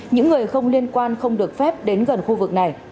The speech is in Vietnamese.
những người không liên quan không được phép đến gần khu vực này